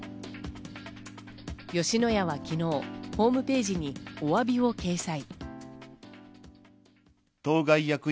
吉野家は昨日、ホームページにお詫びを掲載。